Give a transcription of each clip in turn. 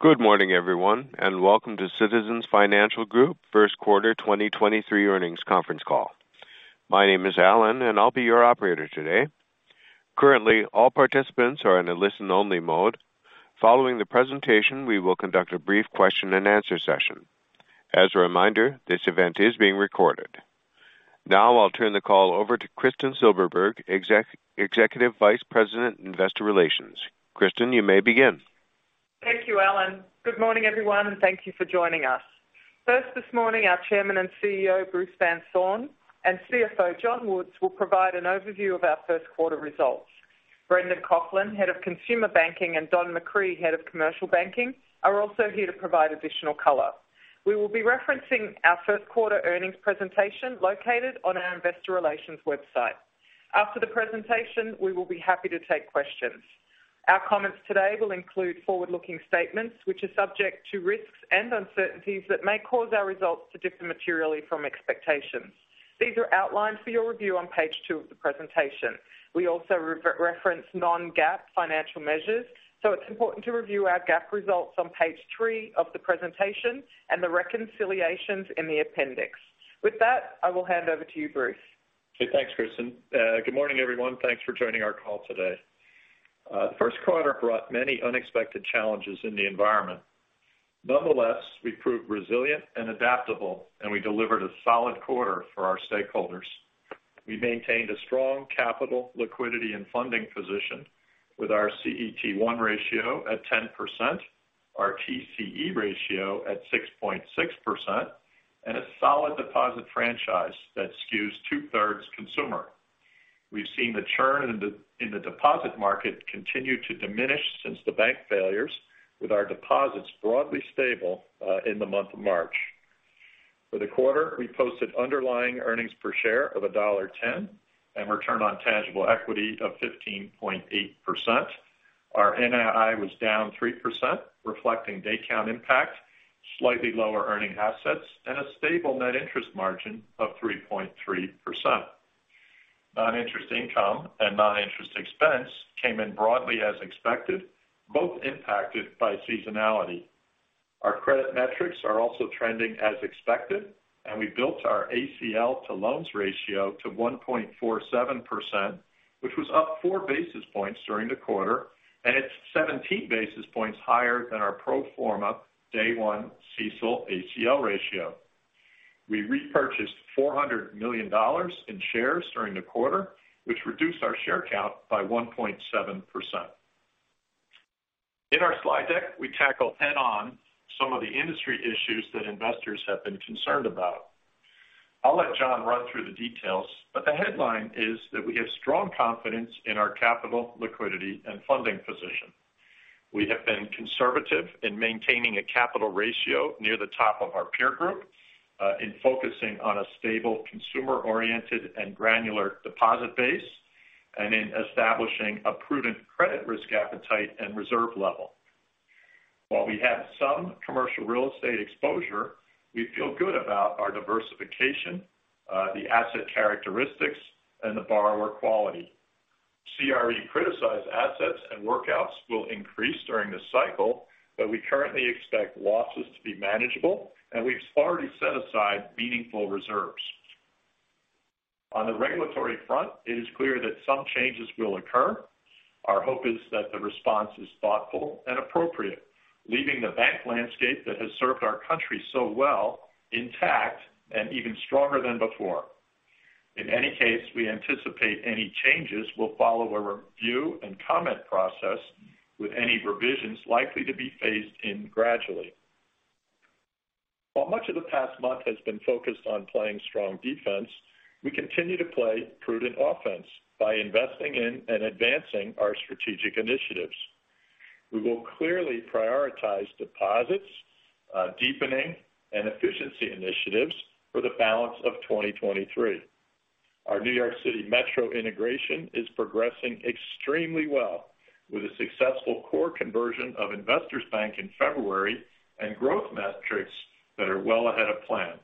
Good morning, everyone, and welcome to Citizens Financial Group First Quarter 2023 Earnings Conference Call. My name is Alan, and I'll be your operator today. Currently, all participants are in a listen-only mode. Following the presentation, we will conduct a brief question-and-answer session. As a reminder, this event is being recorded. Now I'll turn the call over to Kristin Silberberg, Executive Vice President, Investor Relations. Kristin, you may begin. Thank you, Alan. Good morning, everyone, thank you for joining us. First this morning, our Chairman and CEO, Bruce Van Saun, and CFO, John Woods, will provide an overview of our first quarter results. Brendan Coughlin, Head of Consumer Banking, and Donald McCree, Head of Commercial Banking, are also here to provide additional color. We will be referencing our first quarter earnings presentation located on our investor relations website. After the presentation, we will be happy to take questions. Our comments today will include forward-looking statements which are subject to risks and uncertainties that may cause our results to differ materially from expectations. These are outlined for your review on page two of the presentation. We also reference non-GAAP financial measures, it's important to review our GAAP results on page three of the presentation and the reconciliations in the appendix. With that, I will hand over to you, Bruce. Okay, thanks, Kristin. Good morning, everyone. Thanks for joining our call today. The first quarter brought many unexpected challenges in the environment. Nonetheless, we proved resilient and adaptable, and we delivered a solid quarter for our stakeholders. We maintained a strong capital liquidity and funding position with our CET1 ratio at 10%, our TCE ratio at 6.6%, and a solid deposit franchise that skews two-thirds consumer. We've seen the churn in the deposit market continue to diminish since the bank failures, with our deposits broadly stable in the month of March. For the quarter, we posted underlying earnings per share of $1.10 and return on tangible equity of 15.8%. Our NII was down 3%, reflecting day count impact, slightly lower earning assets, and a stable net interest margin of 3.3%. Non-interest income and non-interest expense came in broadly as expected, both impacted by seasonality. Our credit metrics are also trending as expected, and we built our ACL to loans ratio to 1.47%, which was up 4 basis points during the quarter, and it's 17 basis points higher than our pro forma day one CECL ACL ratio. We repurchased $400 million in shares during the quarter, which reduced our share count by 1.7%. In our slide deck, we tackle head-on some of the industry issues that investors have been concerned about. I'll let John run through the details, but the headline is that we have strong confidence in our capital liquidity and funding position. We have been conservative in maintaining a capital ratio near the top of our peer group, in focusing on a stable consumer-oriented and granular deposit base, and in establishing a prudent credit risk appetite and reserve level. While we have some commercial real estate exposure, we feel good about our diversification, the asset characteristics, and the borrower quality. CRE criticized assets and workouts will increase during this cycle, but we currently expect losses to be manageable, and we've already set aside meaningful reserves. On the regulatory front, it is clear that some changes will occur. Our hope is that the response is thoughtful and appropriate, leaving the bank landscape that has served our country so well intact and even stronger than before. In any case, we anticipate any changes will follow a review and comment process, with any revisions likely to be phased in gradually. While much of the past month has been focused on playing strong defense, we continue to play prudent offense by investing in and advancing our strategic initiatives. We will clearly prioritize deposits, deepening and efficiency initiatives for the balance of 2023. Our New York City Metro integration is progressing extremely well with a successful core conversion of Investors Bank in February and growth metrics that are well ahead of plan.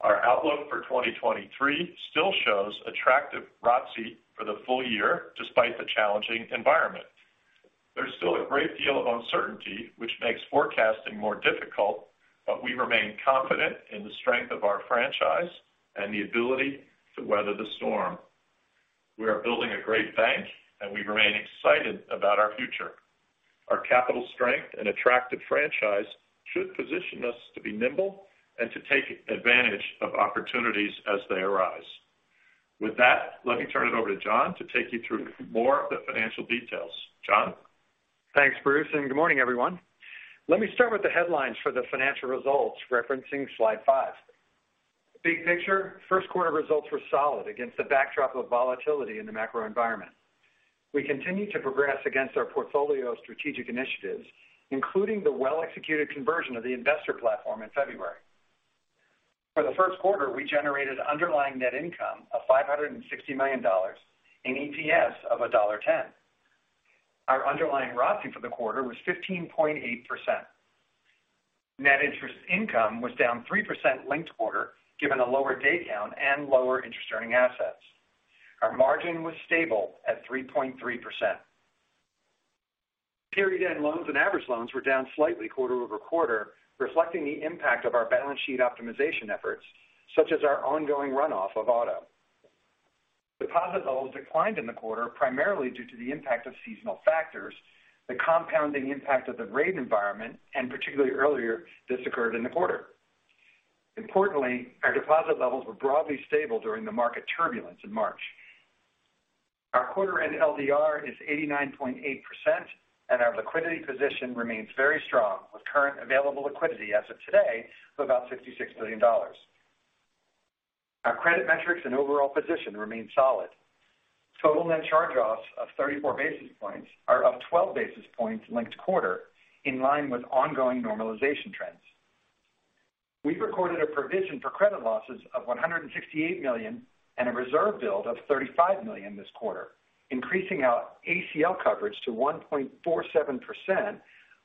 Our outlook for 2023 still shows attractive ROTCE for the full year despite the challenging environment. There's still a great deal of uncertainty which makes forecasting more difficult, but we remain confident in the strength of our franchise and the ability to weather the storm. We are building a great bank, and we remain excited about our future. Our capital strength and attractive franchise should position us to be nimble and to take advantage of opportunities as they arise. With that, let me turn it over to John to take you through more of the financial details. John? Thanks, Bruce. Good morning, everyone. Let me start with the headlines for the financial results, referencing slide five. Big picture, first quarter results were solid against the backdrop of volatility in the macro environment. We continue to progress against our portfolio of strategic initiatives, including the well-executed conversion of the Investors platform in February. For the first quarter, we generated underlying net income of $560 million and EPS of $1.10. Our underlying ROTCE for the quarter was 15.8%. Net interest income was down 3% linked-quarter, given a lower day count and lower interest earning assets. Our margin was stable at 3.3%. Period-end loans and average loans were down slightly quarter-over-quarter, reflecting the impact of our balance sheet optimization efforts, such as our ongoing runoff of auto. Deposit levels declined in the quarter primarily due to the impact of seasonal factors, the compounding impact of the rate environment, and particularly earlier this occurred in the quarter. Importantly, our deposit levels were broadly stable during the market turbulence in March. Our quarter-end LDR is 89.8% and our liquidity position remains very strong, with current available liquidity as of today of about $66 billion. Our credit metrics and overall position remain solid. Total net charge-offs of 34 basis points are up 12 basis points linked quarter, in line with ongoing normalization trends. We've recorded a provision for credit losses of $168 million and a reserve build of $35 million this quarter, increasing our ACL coverage to 1.47%,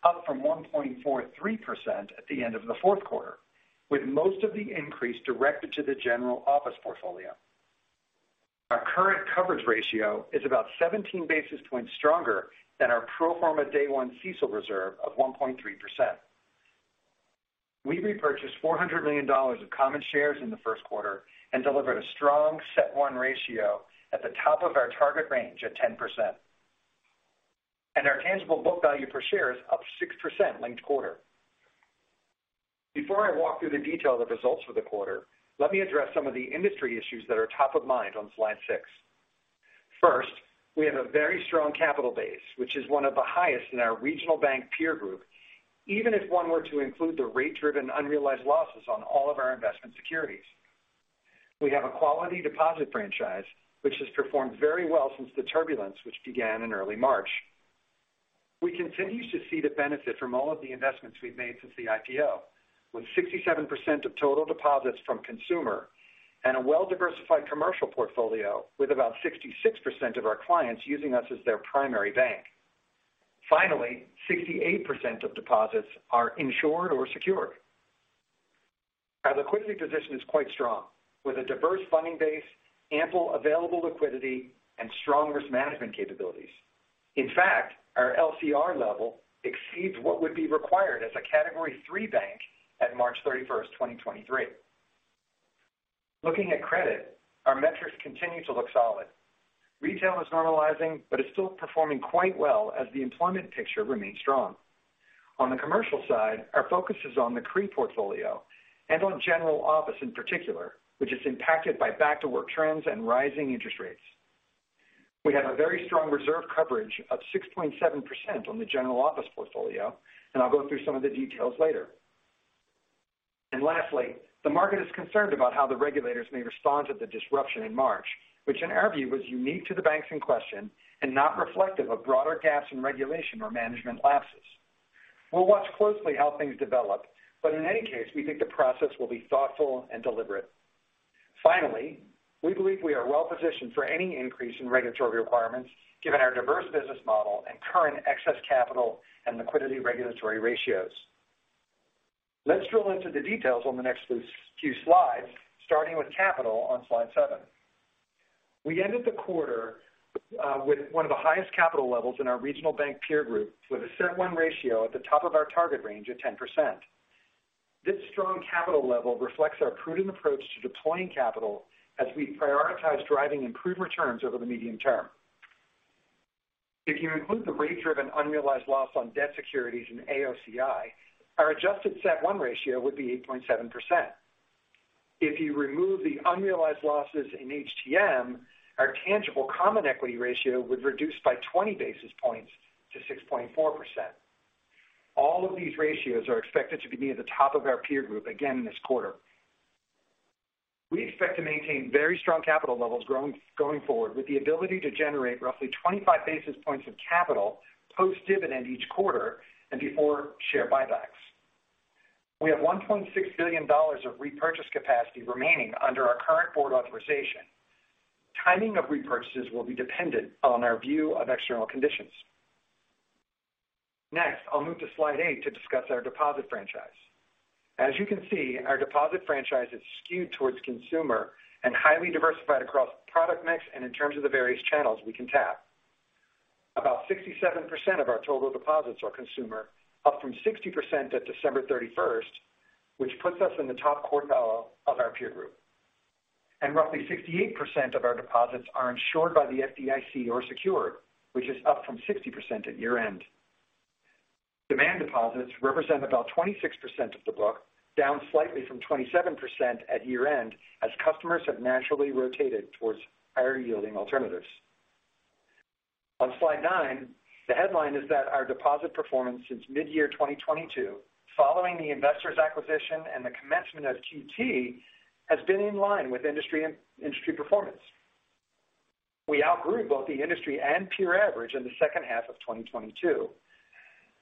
up from 1.43% at the end of the fourth quarter, with most of the increase directed to the general office portfolio. Our current coverage ratio is about 17 basis points stronger than our pro forma day one CECL reserve of 1.3%. We repurchased $400 million of common shares in the first quarter and delivered a strong CET1 ratio at the top of our target range of 10%. Our tangible book value per share is up 6% linked quarter. Before I walk through the detail of the results for the quarter, let me address some of the industry issues that are top of mind on slide six. First, we have a very strong capital base, which is one of the highest in our regional bank peer group, even if one were to include the rate-driven unrealized losses on all of our investment securities. We have a quality deposit franchise, which has performed very well since the turbulence which began in early March. We continue to see the benefit from all of the investments we've made since the IPO, with 67% of total deposits from consumer and a well-diversified commercial portfolio with about 66% of our clients using us as their primary bank. Finally, 68% of deposits are insured or secured. Our liquidity position is quite strong, with a diverse funding base, ample available liquidity, and strong risk management capabilities. In fact, our LCR level exceeds what would be required as a Category III bank at March 31, 2023. Looking at credit, our metrics continue to look solid. Retail is normalizing but is still performing quite well as the employment picture remains strong. On the commercial side, our focus is on the CRE portfolio and on general office in particular, which is impacted by back-to-work trends and rising interest rates. We have a very strong reserve coverage of 6.7% on the general office portfolio, and I'll go through some of the details later. Lastly, the market is concerned about how the regulators may respond to the disruption in March, which in our view was unique to the banks in question and not reflective of broader gaps in regulation or management lapses. We'll watch closely how things develop, but in any case, we think the process will be thoughtful and deliberate. Finally, we believe we are well positioned for any increase in regulatory requirements given our diverse business model and current excess capital and liquidity regulatory ratios. Let's drill into the details on the next few slides, starting with capital on slide seven. We ended the quarter with one of the highest capital levels in our regional bank peer group with a CET1 ratio at the top of our target range at 10%. This strong capital level reflects our prudent approach to deploying capital as we prioritize driving improved returns over the medium term. If you include the rate-driven unrealized loss on debt securities in AOCI, our adjusted CET1 ratio would be 8.7%. If you remove the unrealized losses in HTM, our tangible common equity ratio would reduce by 20 basis points to 6.4%. All of these ratios are expected to be near the top of our peer group again this quarter. We expect to maintain very strong capital levels going forward with the ability to generate roughly 25 basis points of capital post-dividend each quarter and before share buybacks. We have $1.6 billion of repurchase capacity remaining under our current board authorization. Timing of repurchases will be dependent on our view of external conditions. Next, I'll move to slide eight to discuss our deposit franchise. As you can see, our deposit franchise is skewed towards consumer and highly diversified across product mix and in terms of the various channels we can tap. About 67% of our total deposits are consumer, up from 60% at December 31st, which puts us in the top quartile of our peer group. Roughly 68% of our deposits are insured by the FDIC or secured, which is up from 60% at year-end. Demand deposits represent about 26% of the book, down slightly from 27% at year-end as customers have naturally rotated towards higher-yielding alternatives. On slide nine, the headline is that our deposit performance since mid-year 2022, following the Investors' acquisition and the commencement of QT, has been in line with industry performance. We outgrew both the industry and peer average in the second half of 2022.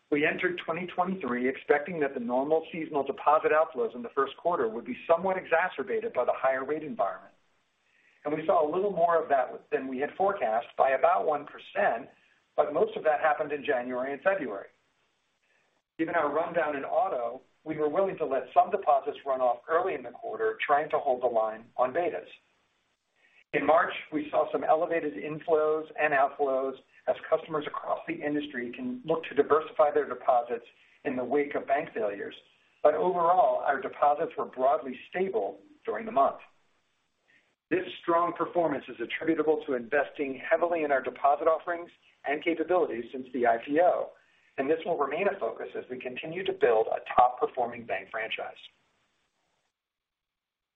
We entered 2023 expecting that the normal seasonal deposit outflows in the first quarter would be somewhat exacerbated by the higher rate environment. We saw a little more of that than we had forecast by about 1%, but most of that happened in January and February. Given our rundown in auto, we were willing to let some deposits run off early in the quarter, trying to hold the line on betas. In March, we saw some elevated inflows and outflows as customers across the industry can look to diversify their deposits in the wake of bank failures. Overall, our deposits were broadly stable during the month. This strong performance is attributable to investing heavily in our deposit offerings and capabilities since the IPO, and this will remain a focus as we continue to build a top-performing bank franchise.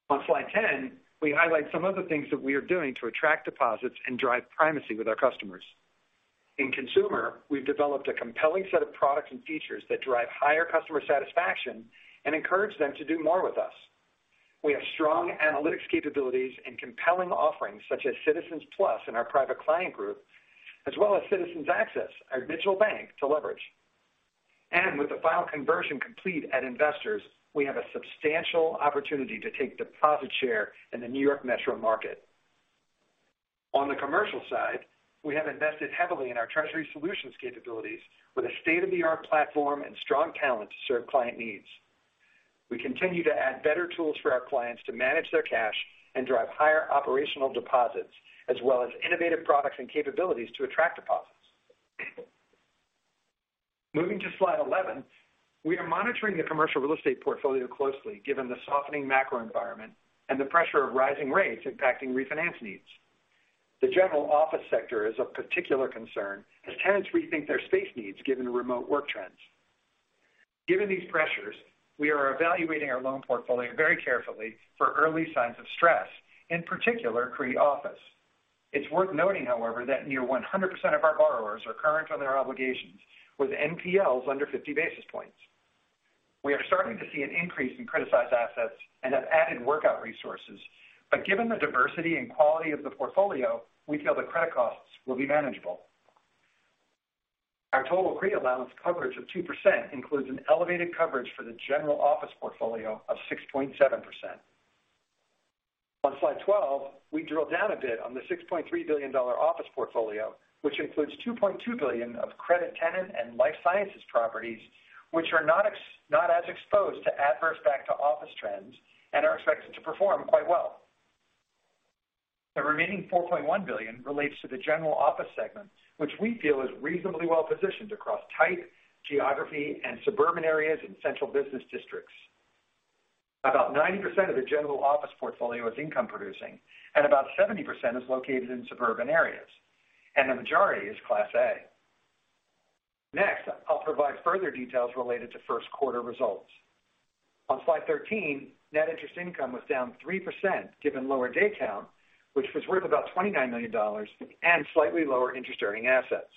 On slide 10, we highlight some of the things that we are doing to attract deposits and drive primacy with our customers. In consumer, we've developed a compelling set of products and features that drive higher customer satisfaction and encourage them to do more with us. We have strong analytics capabilities and compelling offerings such as CitizensPlus in our private client group, as well as Citizens Access, our digital bank to leverage. With the final conversion complete at Investors, we have a substantial opportunity to take deposit share in the New York metro market. On the commercial side, we have invested heavily in our treasury solutions capabilities with a state-of-the-art platform and strong talent to serve client needs. We continue to add better tools for our clients to manage their cash and drive higher operational deposits, as well as innovative products and capabilities to attract deposits. Moving to slide 11. We are monitoring the commercial real estate portfolio closely given the softening macro environment and the pressure of rising rates impacting refinance needs. The general office sector is of particular concern as tenants rethink their space needs given the remote work trends. Given these pressures, we are evaluating our loan portfolio very carefully for early signs of stress, in particular, CRE office. It's worth noting, however, that near 100% of our borrowers are current on their obligations with NPLs under 50 basis points. We are starting to see an increase in criticized assets and have added workout resources. Given the diversity and quality of the portfolio, we feel the credit costs will be manageable. Our total CRE allowance coverage of 2% includes an elevated coverage for the general office portfolio of 6.7%. On slide 12, we drill down a bit on the $6.3 billion office portfolio, which includes $2.2 billion of credit tenant and life sciences properties, which are not as exposed to adverse back to office trends and are expected to perform quite well. The remaining $4.1 billion relates to the general office segment, which we feel is reasonably well-positioned across type, geography, and suburban areas in central business districts. About 90% of the general office portfolio is income producing, and about 70% is located in suburban areas, and the majority is Class A. Next, I'll provide further details related to first quarter results. On slide 13, net interest income was down 3% given lower day count, which was worth about $29 million and slightly lower interest-earning assets.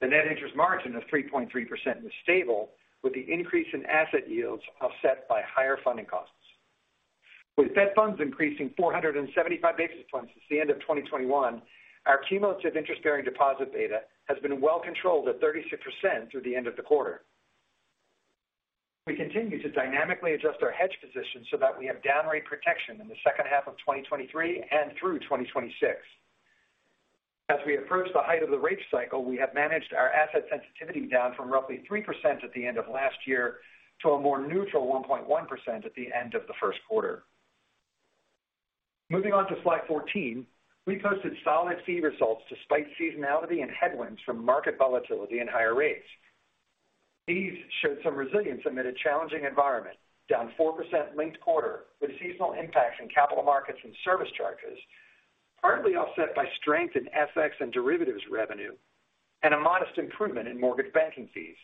The net interest margin of 3.3% was stable, with the increase in asset yields offset by higher funding costs. With Fed funds increasing 475 basis points since the end of 2021, our cumulative interest-bearing deposit beta has been well controlled at 36% through the end of the quarter. We continue to dynamically adjust our hedge position so that we have down rate protection in the second half of 2023 and through 2026. As we approach the height of the rate cycle, we have managed our asset sensitivity down from roughly 3% at the end of last year to a more neutral 1.1% at the end of the first quarter. Moving on to slide 14. We posted solid fee results despite seasonality and headwinds from market volatility and higher rates. Fees showed some resilience amid a challenging environment, down 4% linked quarter, with seasonal impacts in capital markets and service charges, partly offset by strength in FX and derivatives revenue and a modest improvement in mortgage banking fees.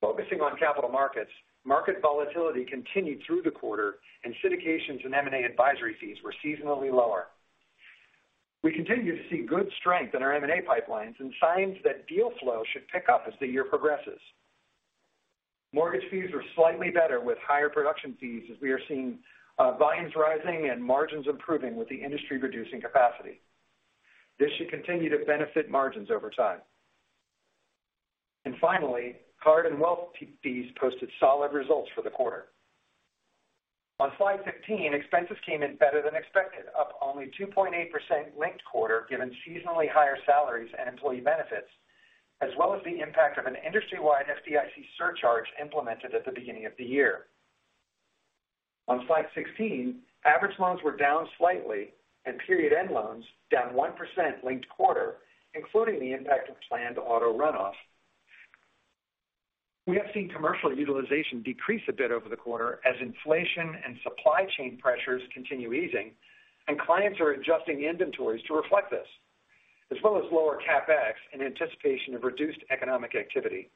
Focusing on capital markets, market volatility continued through the quarter and syndications and M&A advisory fees were seasonally lower. We continue to see good strength in our M&A pipelines and signs that deal flow should pick up as the year progresses. Mortgage fees were slightly better with higher production fees as we are seeing volumes rising and margins improving with the industry reducing capacity. This should continue to benefit margins over time. Finally, card and wealth fees posted solid results for the quarter. On slide 15, expenses came in better than expected, up only 2.8% linked quarter given seasonally higher salaries and employee benefits, as well as the impact of an industry-wide FDIC surcharge implemented at the beginning of the year. On slide 16, average loans were down slightly and period-end loans down 1% linked quarter, including the impact of planned auto runoff. We have seen commercial utilization decrease a bit over the quarter as inflation and supply chain pressures continue easing and clients are adjusting inventories to reflect this, as well as lower CapEx in anticipation of reduced economic activity.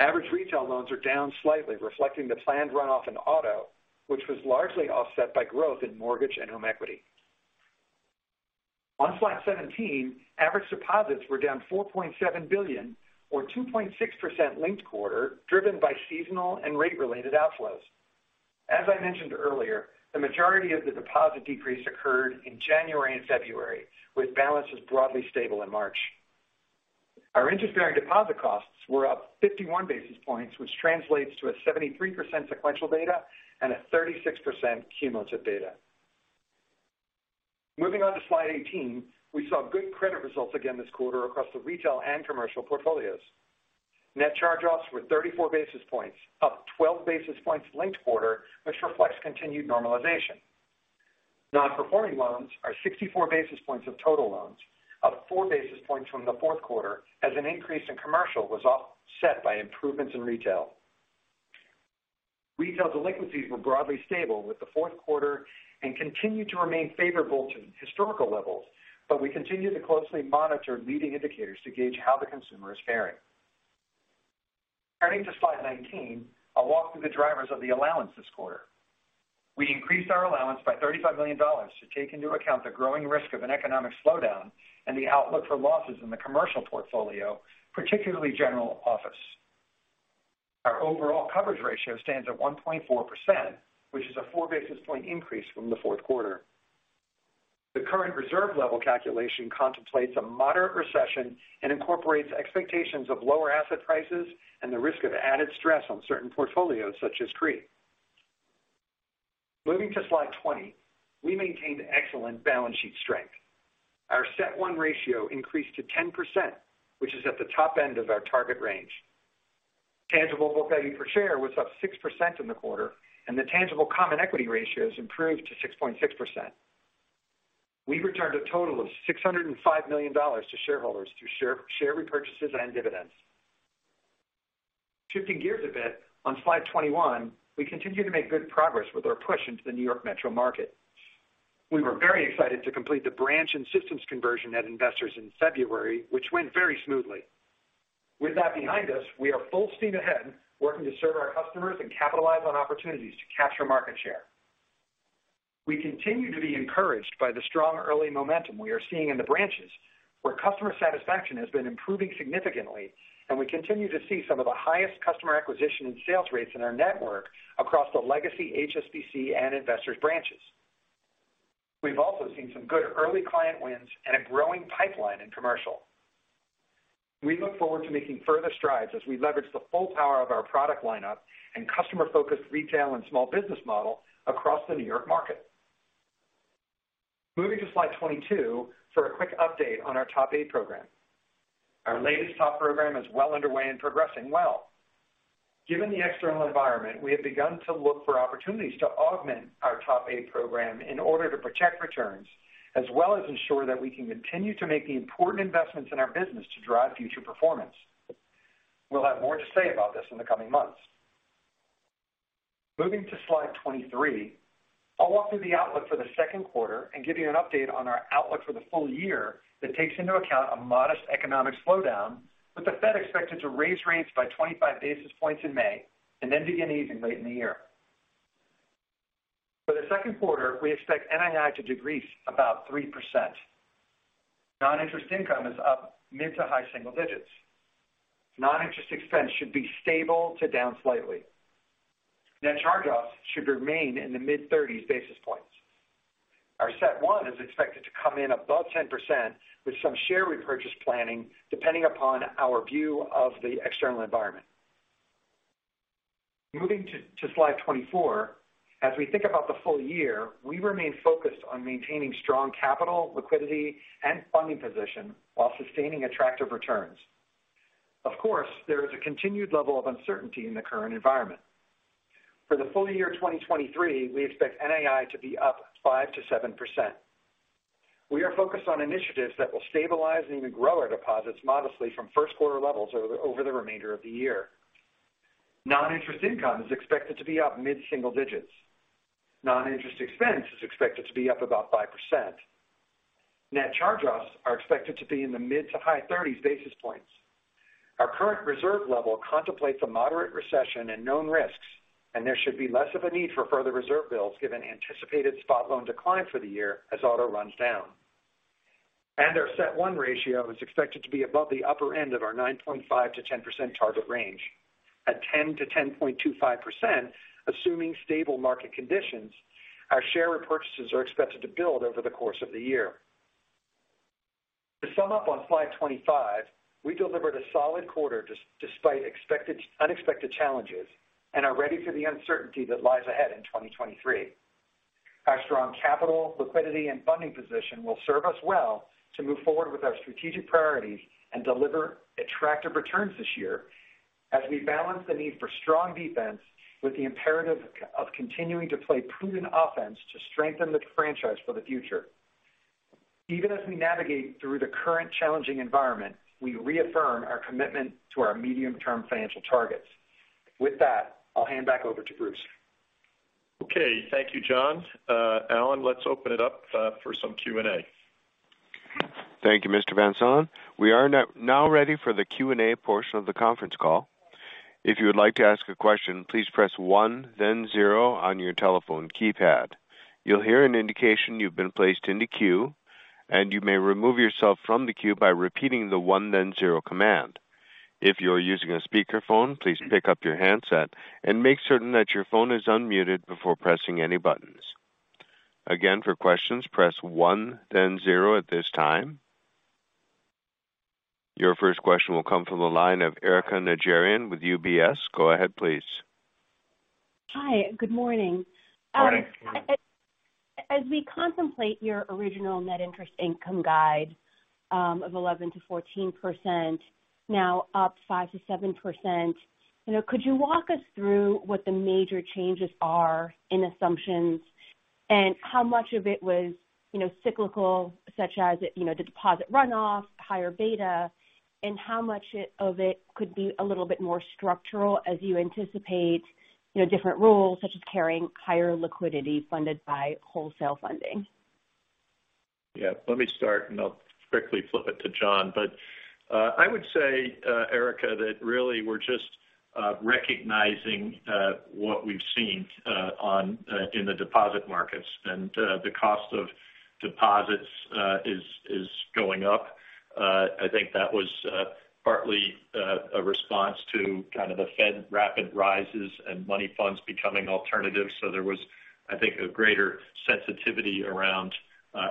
Average retail loans are down slightly, reflecting the planned runoff in auto, which was largely offset by growth in mortgage and home equity. On slide 17, average deposits were down $4.7 billion or 2.6% linked quarter, driven by seasonal and rate-related outflows. As I mentioned earlier, the majority of the deposit decrease occurred in January and February, with balances broadly stable in March. Our interest bearing deposit costs were up 51 basis points, which translates to a 73% sequential data and a 36% cumulative data. Moving on to slide 18. We saw good credit results again this quarter across the retail and commercial portfolios. Net charge-offs were 34 basis points, up 12 basis points linked quarter, which reflects continued normalization. Non-performing loans are 64 basis points of total loans, up 4 basis points from the fourth quarter as an increase in commercial was offset by improvements in retail. Retail delinquencies were broadly stable with the fourth quarter and continue to remain favorable to historical levels. We continue to closely monitor leading indicators to gauge how the consumer is faring. Turning to slide 19. I'll walk through the drivers of the allowance this quarter. We increased our allowance by $35 million to take into account the growing risk of an economic slowdown and the outlook for losses in the commercial portfolio, particularly general office. Our overall coverage ratio stands at 1.4%, which is a 4 basis point increase from the fourth quarter. The current reserve level calculation contemplates a moderate recession and incorporates expectations of lower asset prices and the risk of added stress on certain portfolios such as CRE. Moving to slide 20. We maintained excellent balance sheet strength. Our CET1 ratio increased to 10%, which is at the top end of our target range. Tangible book value per share was up 6% in the quarter, and the tangible common equity ratios improved to 6.6%. We returned a total of $605 million to shareholders through share repurchases and dividends. Shifting gears a bit on slide 21, we continue to make good progress with our push into the New York metro market. We were very excited to complete the branch and systems conversion at Investors in February, which went very smoothly. With that behind us, we are full steam ahead, working to serve our customers and capitalize on opportunities to capture market share. We continue to be encouraged by the strong early momentum we are seeing in the branches, where customer satisfaction has been improving significantly, and we continue to see some of the highest customer acquisition and sales rates in our network across the legacy HSBC and Investors branches. We've also seen some good early client wins and a growing pipeline in commercial. We look forward to making further strides as we leverage the full power of our product lineup and customer-focused retail and small business model across the New York market. Moving to slide 22 for a quick update on our TOP 8 program. Our latest TOP 8 program is well underway and progressing well. Given the external environment, we have begun to look for opportunities to augment our TOP 8 program in order to protect returns, as well as ensure that we can continue to make the important investments in our business to drive future performance. We'll have more to say about this in the coming months. Moving to slide 23. I'll walk through the outlook for the second quarter and give you an update on our outlook for the full year that takes into account a modest economic slowdown, with the Fed expected to raise rates by 25 basis points in May and then begin easing late in the year. For the second quarter, we expect NII to decrease about 3%. Non-interest income is up mid to high single digits. Non-interest expense should be stable to down slightly. Net charge-offs should remain in the mid-thirties basis points. Our CET1 is expected to come in above 10%, with some share repurchase planning depending upon our view of the external environment. Moving to slide 24. As we think about the full year, we remain focused on maintaining strong capital, liquidity, and funding position while sustaining attractive returns. Of course, there is a continued level of uncertainty in the current environment. For the full year 2023, we expect NII to be up 5%-7%. We are focused on initiatives that will stabilize and even grow our deposits modestly from first quarter levels over the remainder of the year. Non-interest income is expected to be up mid-single digits. Non-interest expense is expected to be up about 5%. Net charge-offs are expected to be in the mid to high 30s basis points. Our current reserve level contemplates a moderate recession and known risks, there should be less of a need for further reserve builds given anticipated spot loan decline for the year as auto runs down. Our CET1 ratio is expected to be above the upper end of our 9.5%-10% target range. At 10%-10.25%, assuming stable market conditions, our share repurchases are expected to build over the course of the year. To sum up on slide 25, we delivered a solid quarter despite unexpected challenges and are ready for the uncertainty that lies ahead in 2023. Our strong capital, liquidity, and funding position will serve us well to move forward with our strategic priorities and deliver attractive returns this year as we balance the need for strong defense with the imperative of continuing to play prudent offense to strengthen the franchise for the future. Even as we navigate through the current challenging environment, we reaffirm our commitment to our medium-term financial targets. With that, I'll hand back over to Bruce. Okay. Thank you, John. Alan, let's open it up for some Q&A. Thank you, Mr. Van Saun. We are now ready for the Q&A portion of the conference call. If you would like to ask a question, please press one, then zero on your telephone keypad. You'll hear an indication you've been placed in the queue, and you may remove yourself from the queue by repeating the one then zero command. If you're using a speakerphone, please pick up your handset and make certain that your phone is unmuted before pressing any buttons. Again, for questions, press one then zero at this time. Your first question will come from the line of Erika Najarian with UBS. Go ahead, please. Hi, good morning. Hi. As we contemplate your original net interest income guide, of 11%-14%, now up 5%-7%, you know, could you walk us through what the major changes are in assumptions and how much of it was cyclical, such as the deposit runoff, higher beta, and how much of it could be a little bit more structural as you anticipate the different rules, such as carrying higher liquidity funded by wholesale funding? Yeah, let me start, and I'll quickly flip it to John. I would say, Erika, that really we're just recognizing what we've seen on in the deposit markets. The cost of deposits is going up. I think that was partly a response to kind of the Fed rapid rises and money funds becoming alternative. There was a greater sensitivity around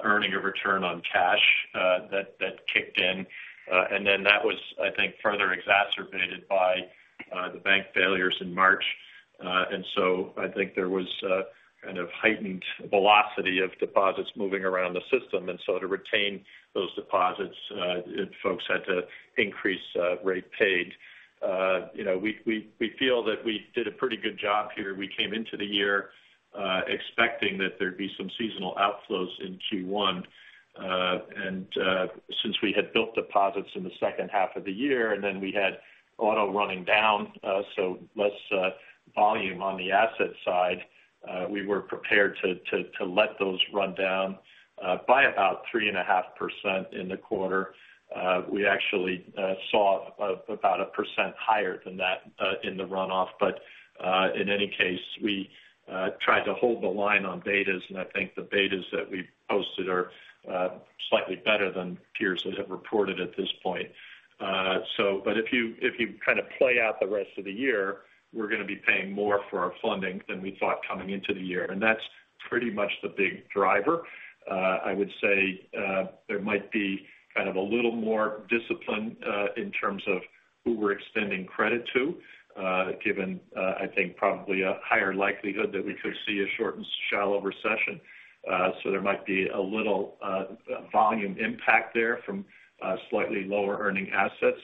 earning a return on cash that kicked in. Then that was further exacerbated by the bank failures in March. I think there was a kind of heightened velocity of deposits moving around the system. To retain those deposits, folks had to increase rate paid. You know, we feel that we did a pretty good job here. We came into the year, expecting that there'd be some seasonal outflows in Q1. Since we had built deposits in the second half of the year, and then we had auto running down, so less volume on the asset side, we were prepared to let those run down by about 3.5% in the quarter. We actually saw about 1% higher than that in the runoff. In any case, we tried to hold the line on betas, and I think the betas that we posted are slightly better than peers that have reported at this point. But if you kind of play out the rest of the year, we're going to be paying more for our funding than we thought coming into the year. That's pretty much the big driver. I would say, there might be kind of a little more discipline, in terms of who we're extending credit to, given I think probably a higher likelihood that we could see a short and shallow recession. There might be a little volume impact there from slightly lower earning assets.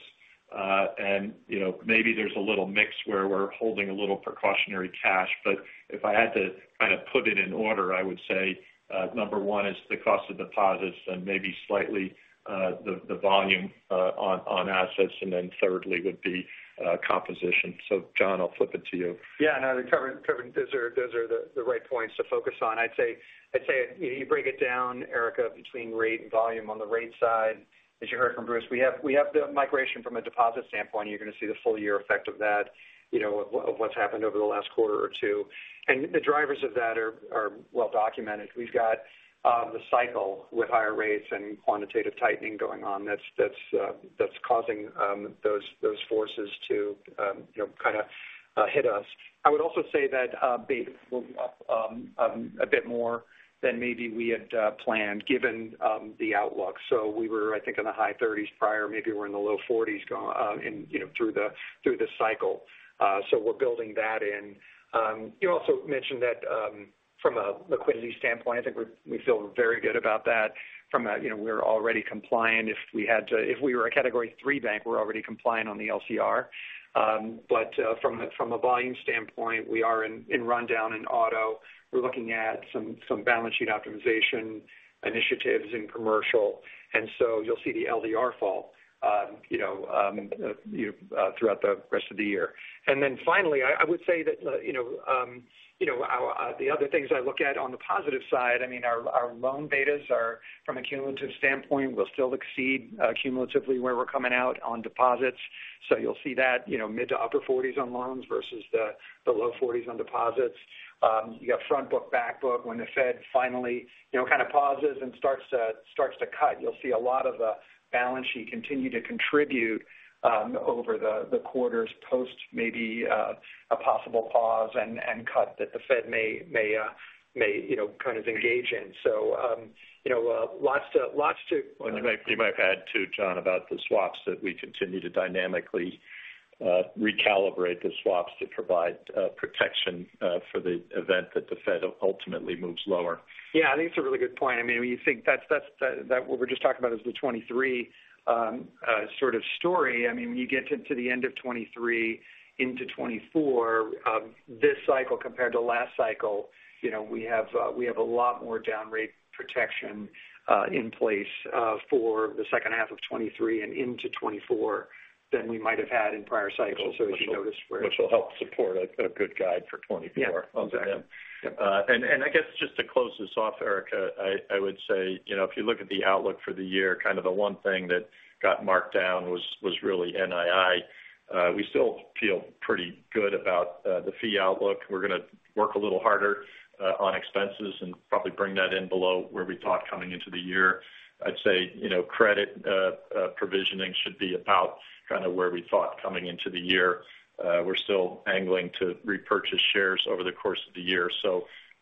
You know, maybe there's a little mix where we're holding a little precautionary cash. If I had to kind of put it in order, I would say, number one is the cost of deposits and maybe slightly, the volume on assets, and then thirdly would be composition. John, I'll flip it to you. Yeah. No, those are the right points to focus on. I'd say you break it down, Erika, between rate and volume on the rate side. As you heard from Bruce, we have the migration from a deposit standpoint. You're going to see the full year effect of that, you know, of what's happened over the last quarter or two. The drivers of that are well documented. We've got the cycle with higher rates and quantitative tightening going on that's causing those forces to kind of hit us. I would also say that beta will be up a bit more than maybe we had planned given the outlook. We were in the high 30s prior. Maybe we're in the low forties, you know, through the cycle. We're building that in. You also mentioned that, from a liquidity standpoint, I think we feel very good about that. From a, you know, we're already compliant. If we were a Category III bank, we're already compliant on the LCR. From a volume standpoint, we are in rundown in auto. We're looking at some balance sheet optimization initiatives in commercial. You'll see the LDR fall, you know, throughout the rest of the year. Finally, I would say that the other things I look at on the positive side, I mean, our loan betas are from a cumulative standpoint, will still exceed cumulatively where we're coming out on deposits. You'll see that, you know, mid-to-upper 40s on loans versus the low 40s on deposits. You got front book, back book. When the Fed finally kind of pauses and starts to cut, you'll see a lot of the balance sheet continue to contribute over the quarters post maybe a possible pause and cut that the Fed may, you know, kind of engage in. You know, lots to. Well, you might add too, John, about the swaps that we continue to dynamically recalibrate the swaps to provide protection for the event that the Fed ultimately moves lower. Yeah, I think it's a really good point. I mean, when you think that's what we're just talking about is the 2023 sort of story. I mean, when you get to the end of 2023 into 2024, this cycle compared to last cycle, we have a lot more down rate protection in place for the second half of 2023 and into 2024 than we might have had in prior cycles. As you notice where will help support a good guide for 2024. Yeah. Exactly. I guess just to close this off, Erika, I would say, you know, if you look at the outlook for the year, kind of the one thing that got marked down was really NII. We still feel pretty good about the fee outlook. We're gonna work a little harder on expenses and probably bring that in below where we thought coming into the year. I'd say, you know, credit provisioning should be about kind of where we thought coming into the year. We're still angling to repurchase shares over the course of the year.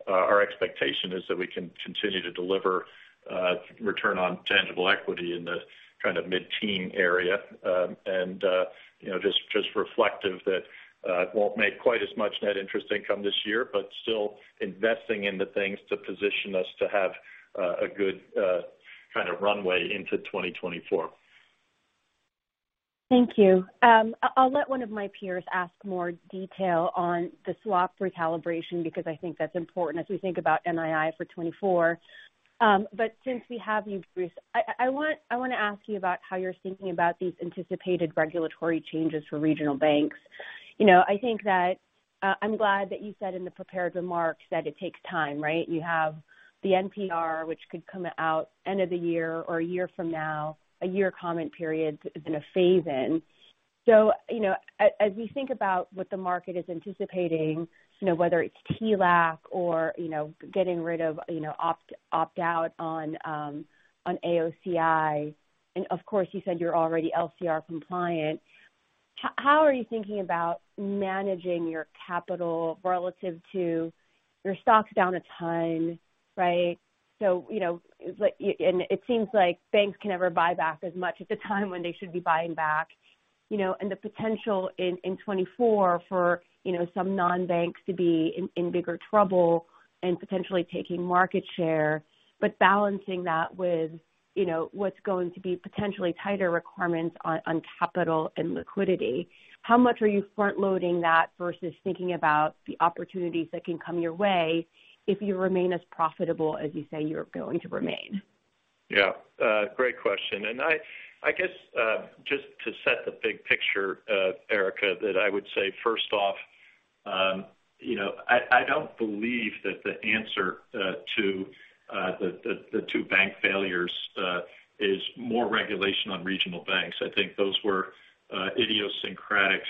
Our expectation is that we can continue to deliver return on tangible equity in the kind of mid-teen area. You know, just reflective that, it won't make quite as much Net Interest Income this year, but still investing into things to position us to have, a good, kind of runway into 2024. Thank you. I'll let one of my peers ask more detail on the swap recalibration because I think that's important as we think about NII for 2024. Since we have you, Bruce, I wanna ask you about how you're thinking about these anticipated regulatory changes for regional banks. I'm glad that you said in the prepared remarks that it takes time, right? You have the NPR, which could come out end of the year or a year from now, a year comment period is in a phase-in. As we think about what the market is anticipating, you know, whether it's TLAC or getting rid of opt out on AOCI, and of course, you said you're already LCR compliant. How are you thinking about managing your capital relative to your stocks down a ton, right? It seems like banks can never buy back as much at the time when they should be buying back, you know, and the potential in 2024 for, you know, some non-banks to be in bigger trouble and potentially taking market share, balancing that with what's going to be potentially tighter requirements on capital and liquidity. How much are you front-loading that versus thinking about the opportunities that can come your way if you remain as profitable as you say you're going to remain? Yeah. Great question. I guess, just to set the big picture, Erika, that I would say first off, I don't believe that the answer to the two bank failures is more regulation on regional banks. I think those were idiosyncratic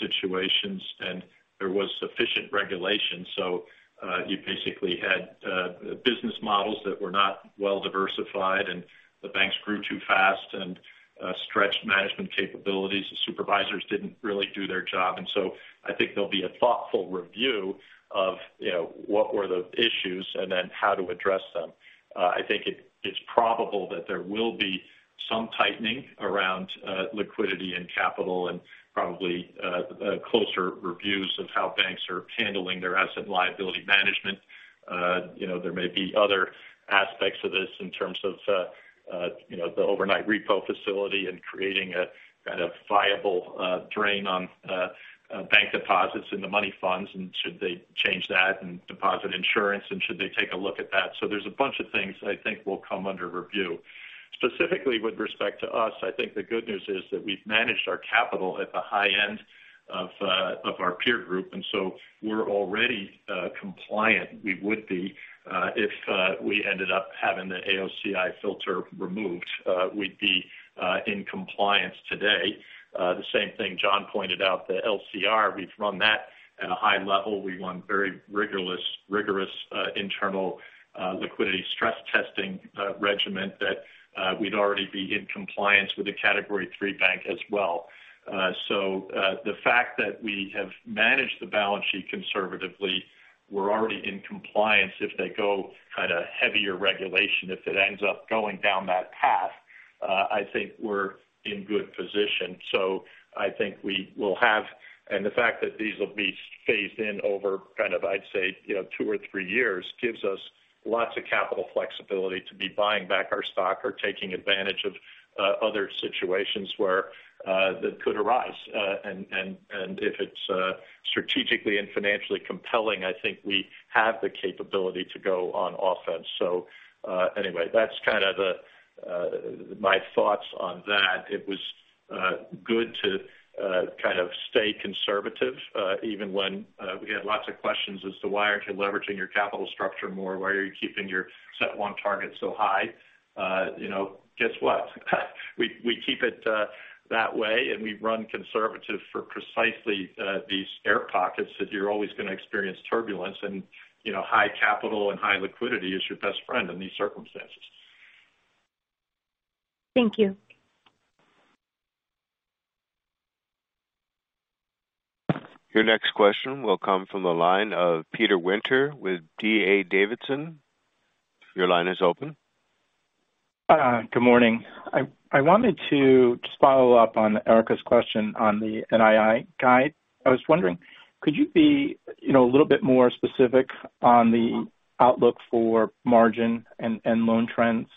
situations, and there was sufficient regulation. You basically had business models that were not well diversified, and the banks grew too fast and stretched management capabilities. The supervisors didn't really do their job. I think there'll be a thoughtful review of, you know, what were the issues and then how to address them. I think it's probable that there will be some tightening around liquidity and capital and probably closer reviews of how banks are handling their asset liability management. You know, there may be other aspects of this in terms of, you know, the overnight repo facility and creating a kind of viable drain on bank deposits in the money funds. Should they change that and deposit insurance, should they take a look at that? There's a bunch of things I think will come under review. Specifically with respect to us, I think the good news is that we've managed our capital at the high end of our peer group, and so we're already compliant. We would be if we ended up having the AOCI filter removed, we'd be in compliance today. The same thing John pointed out, the LCR, we've run that at a high level. We run very rigorous internal liquidity stress testing regimen that we'd already be in compliance with a Category III bank as well. The fact that we have managed the balance sheet conservatively, we're already in compliance. If they go kind of heavier regulation, if it ends up going down that path, I think we're in good position. I think we will have. The fact that these will be phased in over kind of, I'd say, you know, two or three years, gives us lots of capital flexibility to be buying back our stock or taking advantage of other situations where that could arise. If it's strategically and financially compelling, I think we have the capability to go on offense. Anyway, that's kind of my thoughts on that. It was good to kind of stay conservative even when we had lots of questions as to why aren't you leveraging your capital structure more? Why are you keeping your CET1 target so high? You know, guess what? We keep it that way, and we run conservative for precisely these air pockets that you're always gonna experience turbulence and, you know, high capital and high liquidity is your best friend in these circumstances. Thank you. Your next question will come from the line of Peter Winter with D.A. Davidson. Your line is open. Good morning. I wanted to just follow up on Erika's question on the NII guide. I was wondering, could you be, you know, a little bit more specific on the outlook for margin and loan trends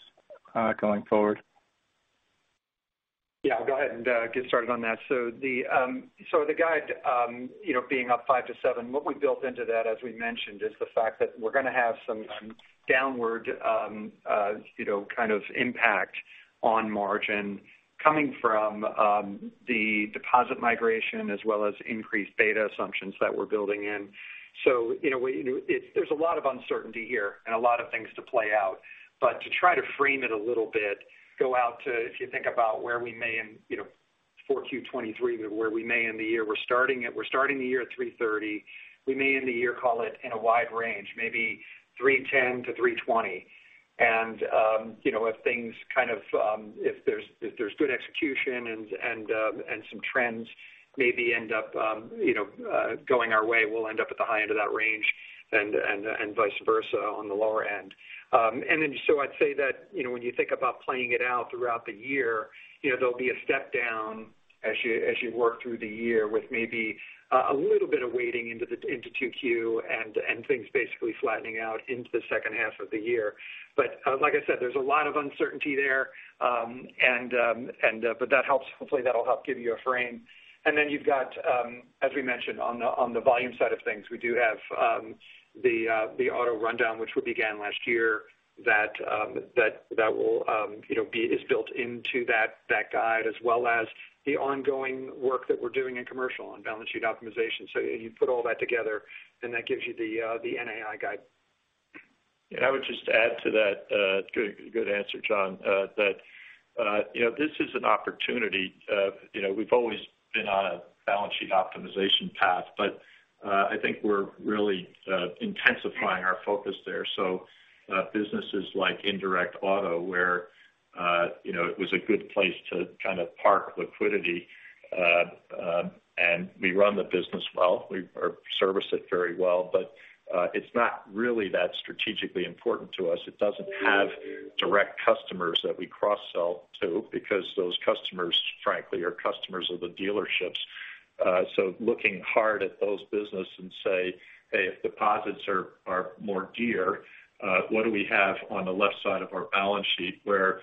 going forward? Yeah, I'll go ahead and get started on that. The guide, you know, being up 5%-7%, what we built into that, as we mentioned, is the fact that we're gonna have some downward, you know, kind of impact on margin coming from the deposit migration as well as increased beta assumptions that we're building in. There's a lot of uncertainty here and a lot of things to play out. But to try to frame it a little bit, go out to, if you think about where we may end, you know, Q4 2023, where we may end the year. We're starting the year at 3.30%. We may end the year, call it in a wide range, maybe 3.10%-3.20%. You know, if things kind of, if there's good execution and some trends maybe end up going our way, we'll end up at the high end of that range. Vice versa on the lower end. I'd say that, you know, when you think about playing it out throughout the year, you know, there'll be a step down as you work through the year with maybe a little bit of weighting into 2Q and things basically flattening out into the second half of the year. Like I said, there's a lot of uncertainty there, and that helps. Hopefully, that'll help give you a frame. You've got, as we mentioned on the, on the volume side of things, we do have, the auto rundown, which we began last year that will, you know, is built into that guide as well as the ongoing work that we're doing in commercial on balance sheet optimization. You put all that together, and that gives you the NII guide. I would just add to that, good answer, John, that this is an opportunity. You know, we've always been on a balance sheet optimization path, but, I think we're really, intensifying our focus there. Businesses like indirect auto where, you know, it was a good place to kind of park liquidity. And we run the business well. We service it very well, but, it's not really that strategically important to us. It doesn't have direct customers that we cross-sell to because those customers, frankly, are customers of the dealerships. Looking hard at those business and say, "Hey, if deposits are more dear, what do we have on the left side of our balance sheet where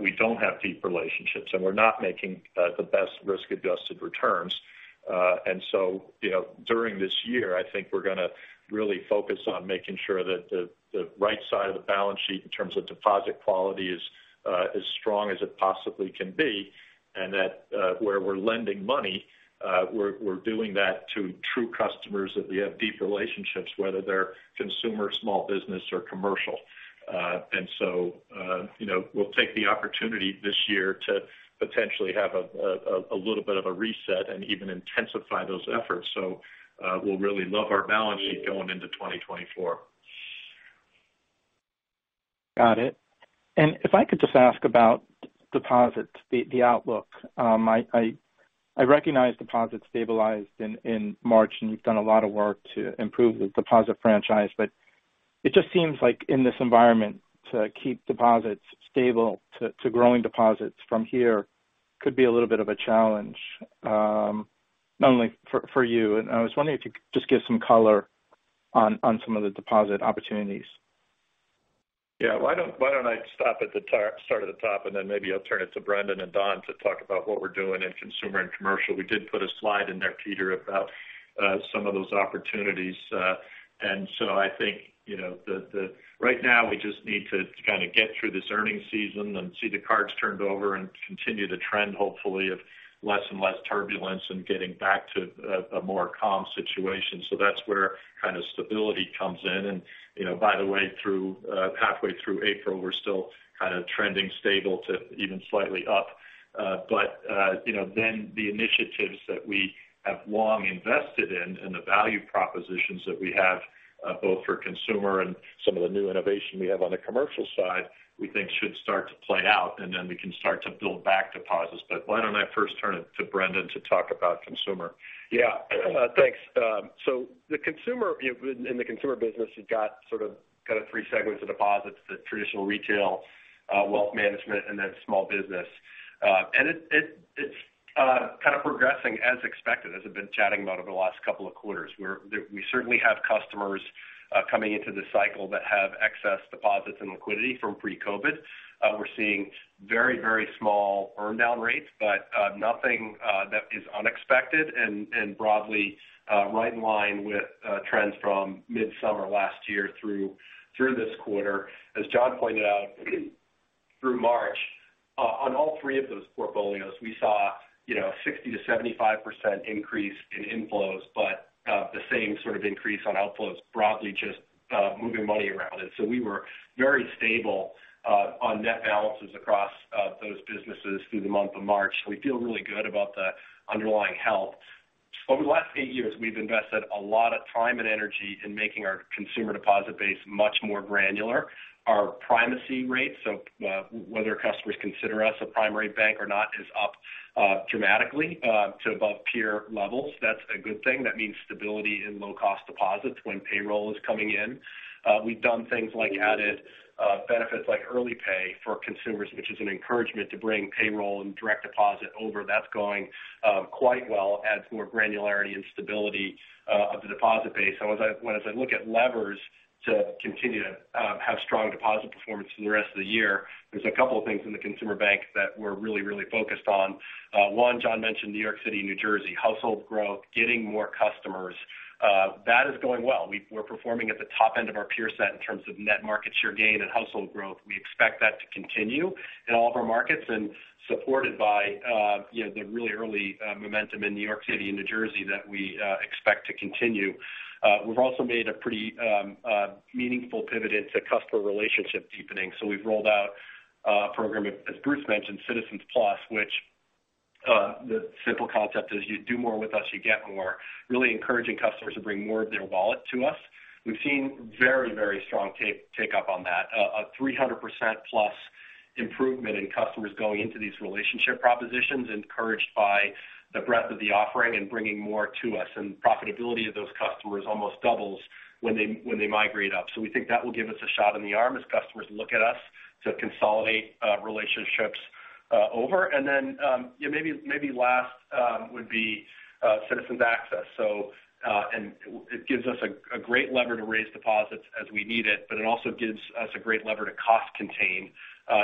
we don't have deep relationships, and we're not making the best risk-adjusted returns?" You know, during this year, I think we're gonna really focus on making sure that the right side of the balance sheet in terms of deposit quality is as strong as it possibly can be. That, where we're lending money, we're doing that to true customers that we have deep relationships, whether they're consumer, small business or commercial. We'll take the opportunity this year to potentially have a little bit of a reset and even intensify those efforts. we'll really love our balance sheet going into 2024. Got it. If I could just ask about deposits, the outlook. I recognize deposits stabilized in March and you've done a lot of work to improve the deposit franchise. It just seems like in this environment to keep deposits stable to growing deposits from here could be a little bit of a challenge, not only for you. I was wondering if you could just give some color on some of the deposit opportunities. Why don't I start at the top, and then maybe I'll turn it to Brendan and Don to talk about what we're doing in consumer and commercial. We did put a slide in there, Peter, about some of those opportunities. I think, you know, right now we just need to kind of get through this earnings season and see the cards turned over and continue the trend, hopefully, of less and less turbulence and getting back to a more calm situation. That's where kind of stability comes in. You know, by the way, through halfway through April, we're still kind of trending stable to even slightly up. You know, then the initiatives that we have long invested in and the value propositions that we have, both for consumer and some of the new innovation we have on the commercial side, we think should start to play out, and then we can start to build back deposits. Why don't I first turn it to Brendan to talk about consumer? Yeah. Thanks. In the consumer business, you've got sort of kind of three segments of deposits, the traditional retail, wealth management, and then small business. It, it's kind of progressing as expected as I've been chatting about over the last couple of quarters. We certainly have customers coming into this cycle that have excess deposits and liquidity from pre-COVID. We're seeing very, very small earn down rates, but nothing that is unexpected and broadly right in line with trends from midsummer last year through this quarter. As John pointed out, through March, on all three of those portfolios, we saw, you know, 60%-75% increase in inflows, but the same sort of increase on outflows, broadly just moving money around. We were very stable on net balances across those businesses through the month of March. We feel really good about the underlying health. Over the last eight years, we've invested a lot of time and energy in making our consumer deposit base much more granular. Our primacy rates of whether customers consider us a primary bank or not is up dramatically to above peer levels. That's a good thing. That means stability in low-cost deposits when payroll is coming in. We've done things like added benefits like early pay for consumers, which is an encouragement to bring payroll and direct deposit over. That's going quite well, adds more granularity and stability of the deposit base. As I look at levers to continue to have strong deposit performance through the rest of the year, there's a couple of things in the consumer bank that we're really focused on. One, John mentioned New York City, New Jersey, household growth, getting more customers. That is going well. We're performing at the top end of our peer set in terms of net market share gain and household growth. We expect that to continue in all of our markets and supported by the really early momentum in New York City and New Jersey that we expect to continue. We've also made a pretty meaningful pivot into customer relationship deepening. We've rolled out a program, as Bruce mentioned, CitizensPlus, which, the simple concept is you do more with us, you get more, really encouraging customers to bring more of their wallet to us. We've seen very strong take up on that. A 300% plus improvement in customers going into these relationship propositions encouraged by the breadth of the offering and bringing more to us. Profitability of those customers almost doubles when they migrate up. We think that will give us a shot in the arm as customers look at us to consolidate relationships over. Yeah, maybe last would be Citizens Access. It gives us a great lever to raise deposits as we need it, but it also gives us a great lever to cost contain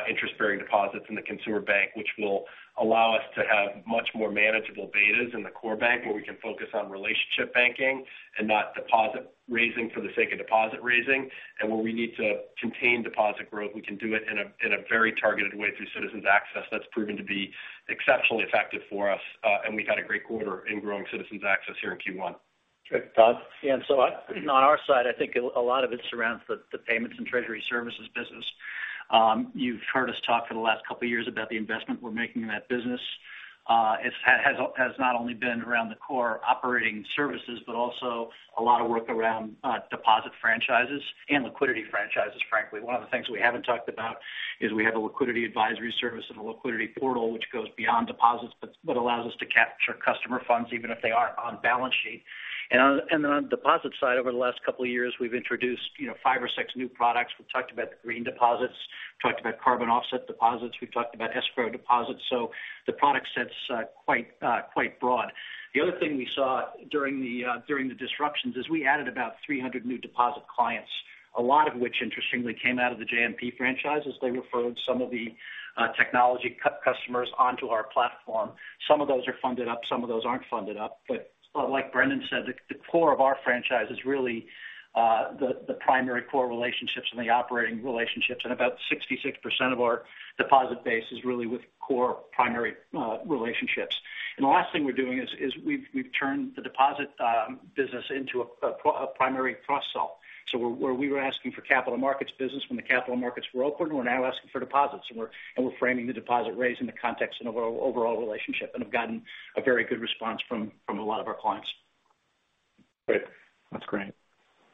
interest-bearing deposits in the consumer bank, which will allow us to have much more manageable betas in the core bank, where we can focus on relationship banking and not deposit raising for the sake of deposit raising. Where we need to contain deposit growth, we can do it in a very targeted way through Citizens Access. That's proven to be exceptionally effective for us, and we had a great quarter in growing Citizens Access here in Q1. Great. Don? Yeah. On our side, I think a lot of it surrounds the payments and treasury services business. You've heard us talk for the last two years about the investment we're making in that business. It's has not only been around the core operating services, but also a lot of work around deposit franchises and liquidity franchises, frankly. One of the things we haven't talked about is we have a liquidity advisory service and a liquidity portal which goes beyond deposits but allows us to capture customer funds even if they aren't on balance sheet. On deposit side, over the last two years, we've introduced, you know, five or six new products. We've talked about the green deposits. We've talked about carbon offset deposits. We've talked about escrow deposits. The product set's quite broad. The other thing we saw during the disruptions is we added about 300 new deposit clients. A lot of which interestingly came out of the JMP franchise as they referred some of the technology customers onto our platform. Some of those are funded up, some of those aren't funded up. Like Brendan said, the core of our franchise is really the primary core relationships and the operating relationships. About 66% of our deposit base is really with core primary relationships. The last thing we're doing is we've turned the deposit business into a primary cross-sell. Where we were asking for capital markets business when the capital markets were open, we're now asking for deposits, and we're framing the deposit raise in the context of our overall relationship and have gotten a very good response from a lot of our clients. Great. That's great.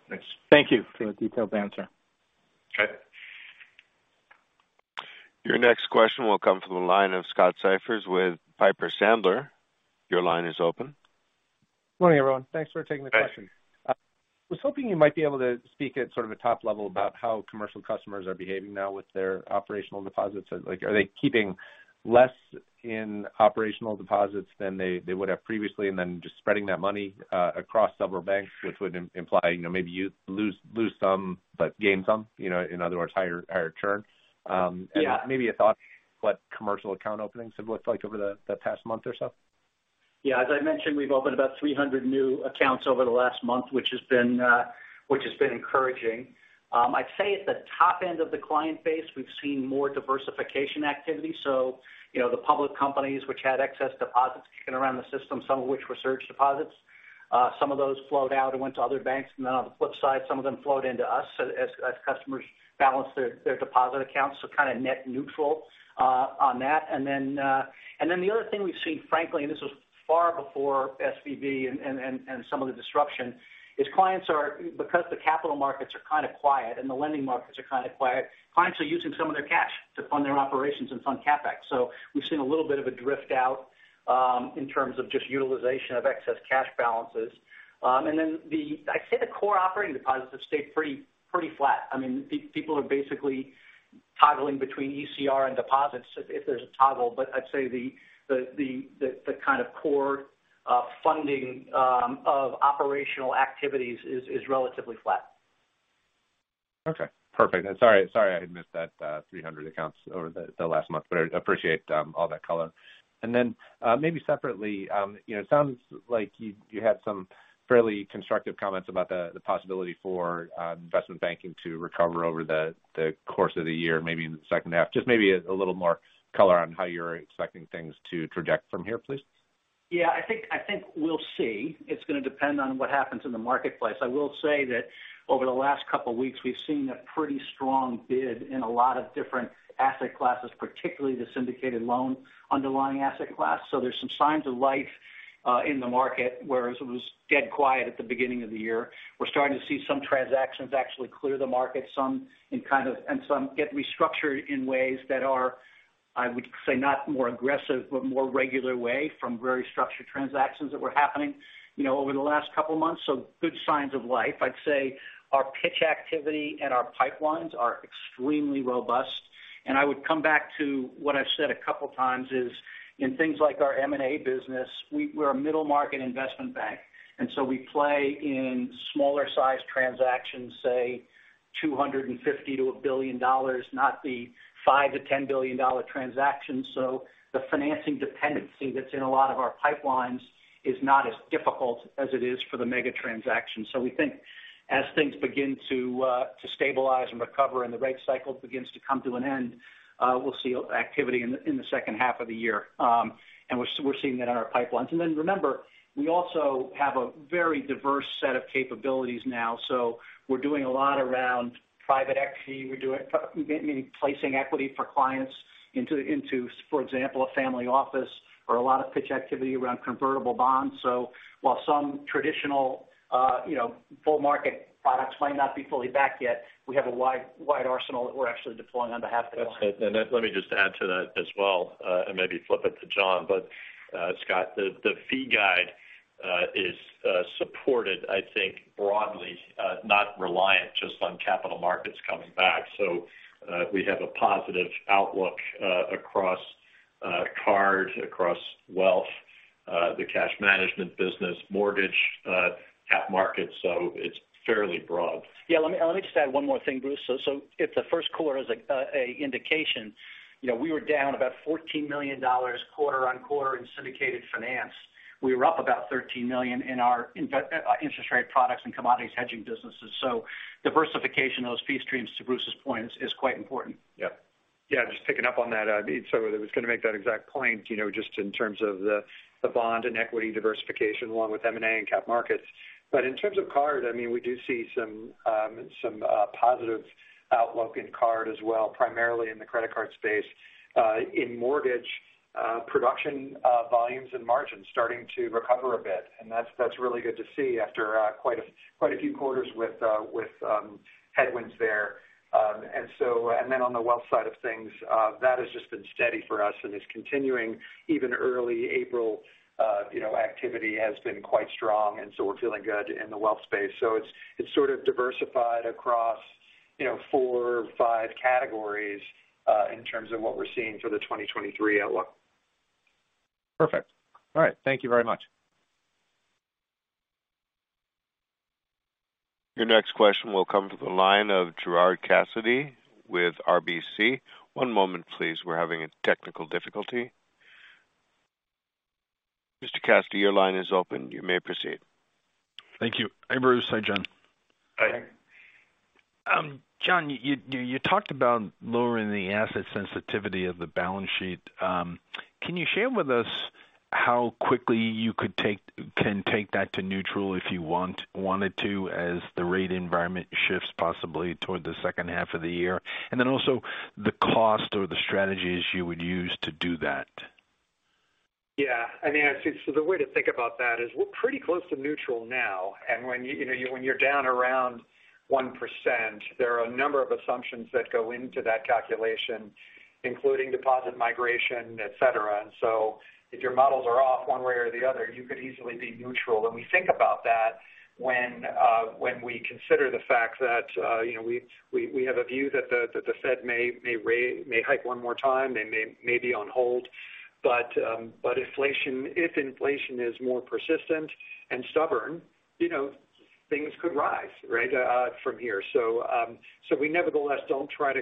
Thanks. Thank you for the detailed answer. Okay. Your next question will come to the line of Scott Siefers with Piper Sandler. Your line is open. Morning, everyone. Thanks for taking the question. Hi. I was hoping you might be able to speak at sort of a top level about how commercial customers are behaving now with their operational deposits. Like, are they keeping less in operational deposits than they would have previously and then just spreading that money across several banks, which would imply, you know, maybe you lose some but gain some in other words, higher churn? Yeah. Maybe a thought what commercial account openings have looked like over the past month or so. Yeah. As I mentioned, we've opened about 300 new accounts over the last month, which has been encouraging. I'd say at the top end of the client base, we've seen more diversification activity. You know, the public companies which had excess deposits kicking around the system, some of which were search deposits, some of those flowed out and went to other banks. On the flip side, some of them flowed into us as customers balanced their deposit accounts. Kind of net neutral on that. The other thing we've seen, frankly, and this was far before SVB and some of the disruption, is clients because the capital markets are kind of quiet and the lending markets are kind of quiet, clients are using some of their cash to fund their operations and fund CapEx. We've seen a little bit of a drift out in terms of just utilization of excess cash balances. I'd say the core operating deposits have stayed pretty flat. I mean, people are basically toggling between ECR and deposits if there's a toggle. I'd say the kind of core funding of operational activities is relatively flat. Okay. Perfect. Sorry, I had missed that, 300 accounts over the last month, but I appreciate all that color. Then, maybe separately, you know, it sounds like you had some fairly constructive comments about the possibility for investment banking to recover over the course of the year, maybe in the second half. Just maybe a little more color on how you're expecting things to traject from here, please? Yeah. I think we'll see. It's gonna depend on what happens in the marketplace. I will say that over the last couple weeks, we've seen a pretty strong bid in a lot of different asset classes, particularly the syndicated loan underlying asset class. There's some signs of life in the market, whereas it was dead quiet at the beginning of the year. We're starting to see some transactions actually clear the market, some and some get restructured in ways that are, I would say, not more aggressive, but more regular way from very structured transactions that were happening, you know, over the last couple months. Good signs of life. I'd say our pitch activity and our pipelines are extremely robust. I would come back to what I've said a couple times is in things like our M&A business, we're a middle market investment bank, and so we play in smaller sized transactions, say $250 million-$1 billion, not the $5 billion-$10 billion transactions. The financing dependency that's in a lot of our pipelines is not as difficult as it is for the mega transactions. We think as things begin to stabilize and recover and the rate cycle begins to come to an end, we'll see activity in the second half of the year. We're seeing that in our pipelines. Remember, we also have a very diverse set of capabilities now. We're doing a lot around private equity. We're doing maybe placing equity for clients into, for example, a family office or a lot of pitch activity around convertible bonds. While some traditional, you know, full market products might not be fully back yet, we have a wide arsenal that we're actually deploying on behalf of the client. Let me just add to that as well, and maybe flip it to John. Scott, the fee guide is supported, I think, broadly, not reliant just on capital markets coming back. We have a positive outlook across card, across wealth, the cash management business, mortgage, tap markets. It's fairly broad. Yeah. Let me just add one more thing, Bruce. If the first quarter is a indication, you know, we were down about $14 million quarter-on-quarter in syndicated finance. We were up about $13 million in our interest rate products and commodities hedging businesses. Diversification of those fee streams, to Bruce's point, is quite important. Yep. Yeah. Just picking up on that, I was gonna make that exact point, you know, just in terms of the bond and equity diversification along with M&A and cap markets. In terms of card, I mean, we do see some positive outlook in card as well, primarily in the credit card space. In mortgage, production, volumes and margins starting to recover a bit. That's really good to see after quite a few quarters with headwinds there. On the wealth side of things, that has just been steady for us and is continuing. Even early April, you know, activity has been quite strong, we're feeling good in the wealth space. It's sort of diversified across, you know, four or five categories, in terms of what we're seeing for the 2023 outlook. Perfect. All right. Thank you very much. Your next question will come to the line of Gerard Cassidy with RBC. One moment please, we're having a technical difficulty. Mr. Cassidy, your line is open. You may proceed. Thank you. Hi, Bruce. Hi, John. Hi. Hi. John, you talked about lowering the asset sensitivity of the balance sheet. Can you share with us how quickly you could take that to neutral if you wanted to as the rate environment shifts possibly toward the second half of the year? Also the cost or the strategies you would use to do that. Yeah. I mean, I see. The way to think about that is we're pretty close to neutral now. When, you know, when you're down around 1%, there are a number of assumptions that go into that calculation, including deposit migration, et cetera. If your models are off one way or the other, you could easily be neutral. We think about that when we consider the fact that, you know, we have a view that the Fed may hike one more time. They may be on hold. But inflation, if inflation is more persistent and stubborn, you know, things could rise, right, from here. So we nevertheless don't try to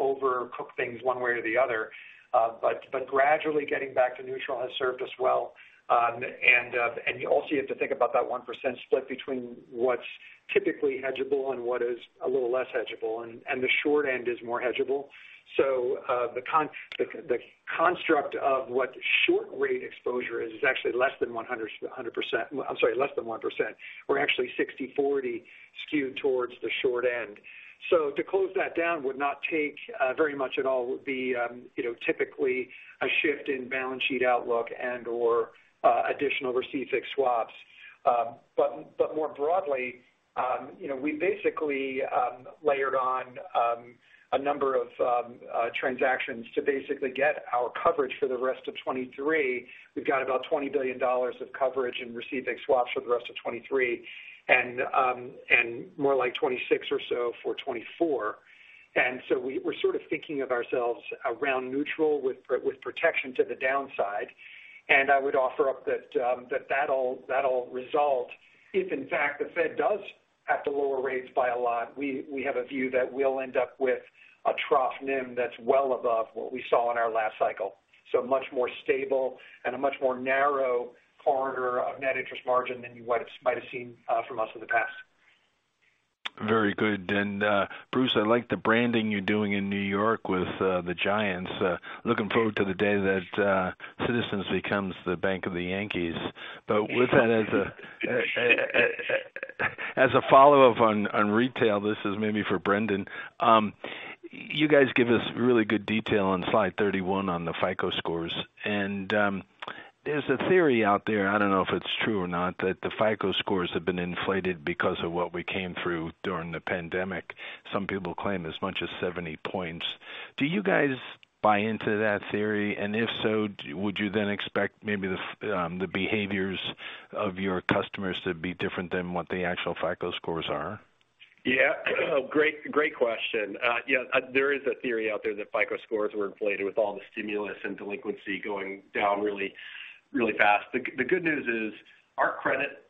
overcook things one way or the other. Gradually getting back to neutral has served us well. You also have to think about that 1% split between what's typically hedgeable and what is a little less hedgeable. The short end is more hedgeable. The construct of what short rate exposure is actually less than 100%. I'm sorry, less than 1%. We're actually 60/40 skewed towards the short end. To close that down would not take very much at all, would be, you know, typically a shift in balance sheet outlook and/or additional received fixed swaps. More broadly, you know, we basically layered on a number of transactions to basically get our coverage for the rest of 2023. We've got about $20 billion of coverage and received big swaps for the rest of 2023. More like $26 billion or so for 2024. So we're sort of thinking of ourselves around neutral with protection to the downside. I would offer up that that'll result if in fact the Fed does have to lower rates by a lot, we have a view that we'll end up with a trough NIM that's well above what we saw in our last cycle. Much more stable and a much more narrow corridor of net interest margin than you might have seen from us in the past. Very good. Bruce, I like the branding you're doing in New York with the Giants. Looking forward to the day that Citizens becomes the bank of the Yankees. With that as a follow-up on retail, this is maybe for Brendan. You guys give us really good detail on slide 31 on the FICO scores. There's a theory out there, I don't know if it's true or not, that the FICO scores have been inflated because of what we came through during the pandemic. Some people claim as much as 70 points. Do you guys buy into that theory? If so, would you then expect maybe the behaviors of your customers to be different than what the actual FICO scores are? Great question. There is a theory out there that FICO scores were inflated with all the stimulus and delinquency going down really fast. The good news is our credit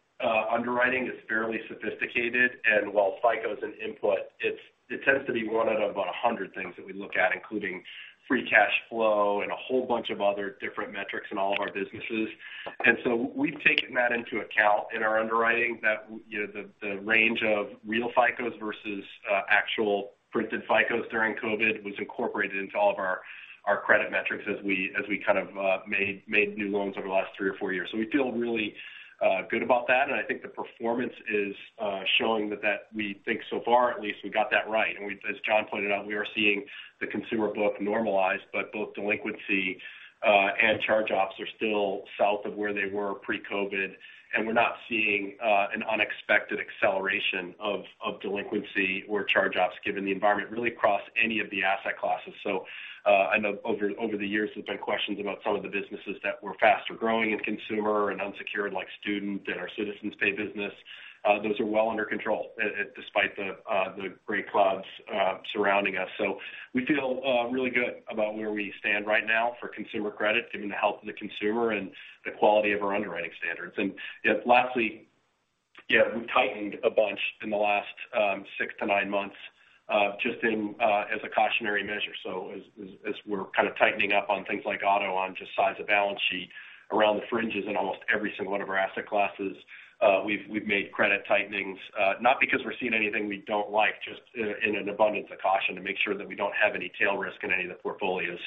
underwriting is fairly sophisticated, and while FICO is an input, it tends to be one out of about 100 things that we look at, including free cash flow and a whole bunch of other different metrics in all of our businesses. We've taken that into account in our underwriting that, you know, the range of real FICOs versus actual printed FICOs during COVID was incorporated into all of our credit metrics as we kind of made new loans over the last three or four years. We feel really good about that. I think the performance is showing that we think so far at least, we got that right. We as John pointed out, we are seeing the consumer book normalize, but both delinquency and charge-offs are still south of where they were pre-COVID. We're not seeing an unexpected acceleration of delinquency or charge-offs given the environment really across any of the asset classes. I know over the years there's been questions about some of the businesses that were faster growing in consumer and unsecured like student and our Citizens Pay business. Those are well under control despite the gray clouds surrounding us. We feel really good about where we stand right now for consumer credit, given the health of the consumer and the quality of our underwriting standards. Lastly, we've tightened a bunch in the last six to nine months just as a cautionary measure. As we're kind of tightening up on things like auto, on just size of balance sheet around the fringes in almost every single one of our asset classes, we've made credit tightenings not because we're seeing anything we don't like, just in an abundance of caution to make sure that we don't have any tail risk in any of the portfolios.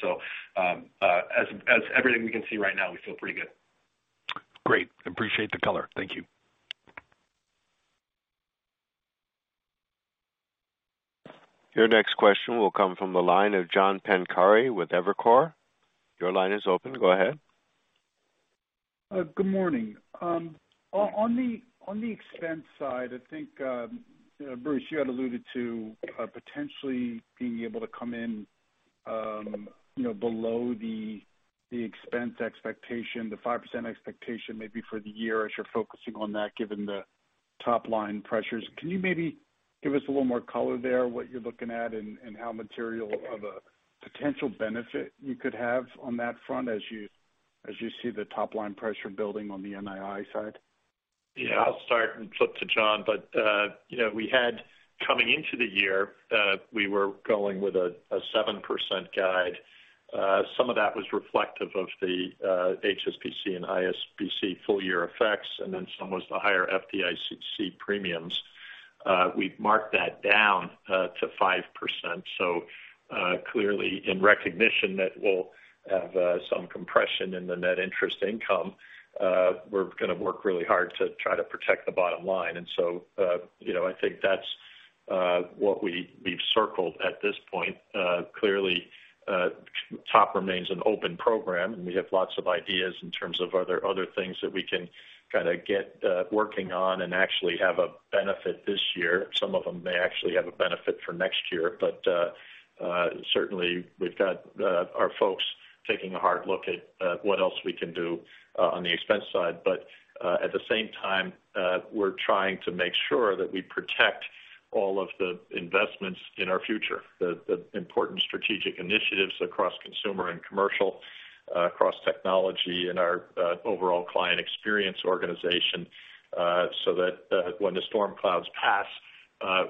As everything we can see right now, we feel pretty good. Great. Appreciate the color. Thank you. Your next question will come from the line of John Pancari with Evercore. Your line is open. Go ahead. Good morning. On the expense side, I think, Bruce, you had alluded to, potentially being able to come in, you know, below the expense expectation, the 5% expectation maybe for the year as you're focusing on that given the top line pressures. Can you maybe give us a little more color there, what you're looking at and how material of a potential benefit you could have on that front as you see the top line pressure building on the NII side? I'll start and flip to John. You know, we had coming into the year, we were going with a 7% guide. Some of that was reflective of the HSBC and ISBC full year effects, and then some was the higher FDIC premiums. We've marked that down to 5%. Clearly in recognition that we'll have some compression in the net interest income, we're gonna work really hard to try to protect the bottom line. You know, I think that's what we've circled at this point. Clearly, TOP remains an open program, and we have lots of ideas in terms of other things that we can kind of get working on and actually have a benefit this year. Some of them may actually have a benefit for next year. Certainly we've got our folks taking a hard look at what else we can do on the expense side. At the same time, we're trying to make sure that we protect all of the investments in our future, the important strategic initiatives across consumer and commercial, across technology and our overall client experience organization, so that when the storm clouds pass,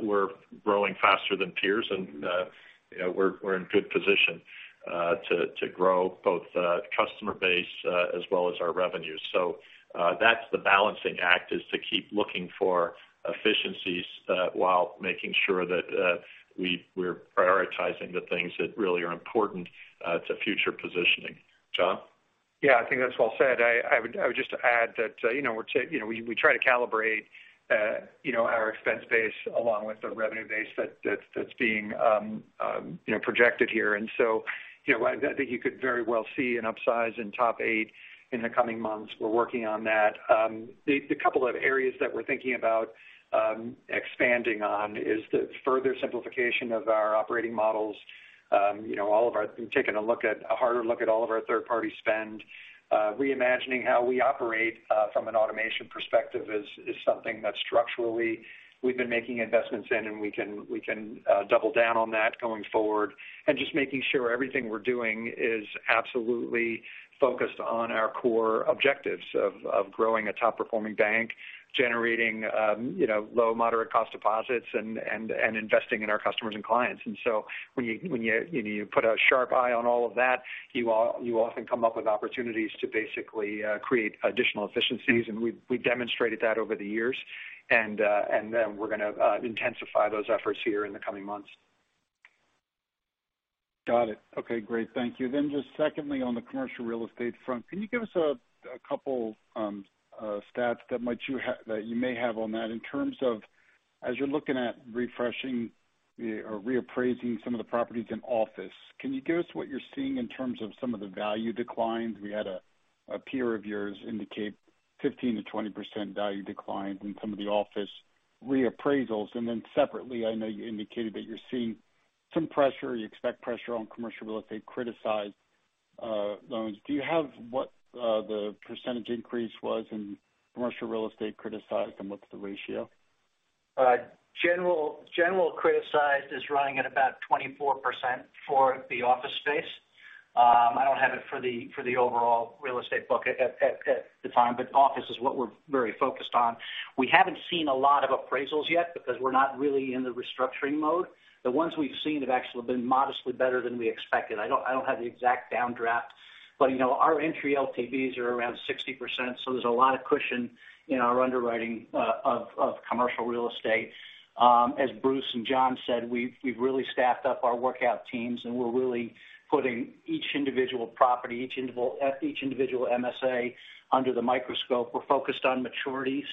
we're growing faster than peers and, you know, we're in good position to grow both customer base as well as our revenues. That's the balancing act, is to keep looking for efficiencies while making sure that we're prioritizing the things that really are important to future positioning. John? Yeah, I think that's well said. I would just add that, you know, we try to calibrate, you know, our expense base along with the revenue base that's being, you know, projected here. You know, I think you could very well see an upsize in TOP 8 in the coming months. We're working on that. The couple of areas that we're thinking about expanding on is the further simplification of our operating models. You know, a harder look at all of our third party spend, reimagining how we operate from an automation perspective is something that structurally we've been making investments in, and we can double down on that going forward. Just making sure everything we're doing is absolutely focused on our core objectives of growing a top-performing bank, generating, you know, low moderate cost deposits and investing in our customers and clients. When you put a sharp eye on all of that, you often come up with opportunities to basically create additional efficiencies. We've demonstrated that over the years. Then we're gonna intensify those efforts here in the coming months. Got it. Okay, great. Thank you. Just secondly, on the commercial real estate front, can you give us a couple stats that you may have on that in terms of as you're looking at refreshing or reappraising some of the properties in office, can you give us what you're seeing in terms of some of the value declines? We had a peer of yours indicate 15%-20% value declines in some of the office reappraisals. Separately, I know you indicated that you're seeing some pressure, you expect pressure on commercial real estate criticized loans. Do you have what the percentage increase was in commercial real estate criticized, and what's the ratio? General criticized is running at about 24% for the office space. I don't have it for the overall real estate book at the time, but office is what we're very focused on. We haven't seen a lot of appraisals yet because we're not really in the restructuring mode. The ones we've seen have actually been modestly better than we expected. I don't have the exact downdraft, but, you know, our entry LTVs are around 60%, so there's a lot of cushion in our underwriting of commercial real estate. As Bruce and John said, we've really staffed up our workout teams, and we're really putting each individual property, at each individual MSA under the microscope. We're focused on maturities.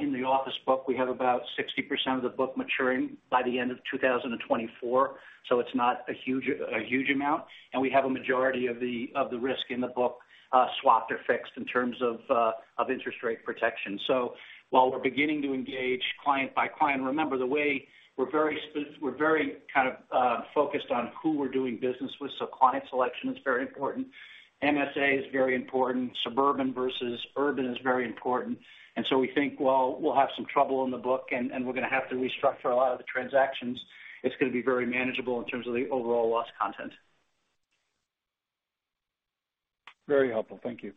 In the office book, we have about 60% of the book maturing by the end of 2024, so it's not a huge amount. We have a majority of the risk in the book swapped or fixed in terms of interest rate protection. While we're beginning to engage client by client, remember the way we're very kind of focused on who we're doing business with, so client selection is very important. MSA is very important. Suburban versus urban is very important. We think while we'll have some trouble in the book and we're gonna have to restructure a lot of the transactions, it's gonna be very manageable in terms of the overall loss content. Very helpful. Thank you.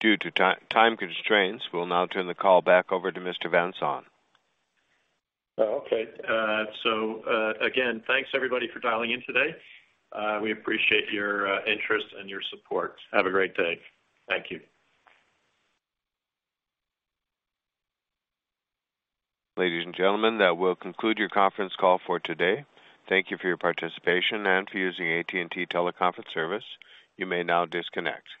Due to time constraints, we'll now turn the call back over to Mr. Van Saun. Okay. Again, thanks everybody for dialing in today. We appreciate your interest and your support. Have a great day. Thank you. Ladies and gentlemen, that will conclude your conference call for today. Thank you for your participation and for using AT&T Teleconference service. You may now disconnect.